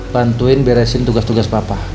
bantuin beresin tugas tugas bapak